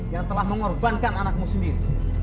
yang telah mengorbankan anakmu sendiri